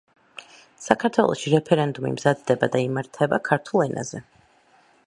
საქართველოში რეფერენდუმი მზადდება და იმართება ქართულ ენაზე.